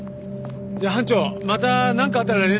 じゃあ班長またなんかあったら連絡ください。